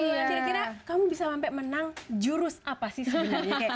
jadi kira kira kamu bisa sampai menang jurus apa sih sebenarnya